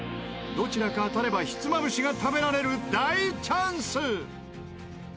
どちらか当たればひつまぶしが食べられる大チャンス！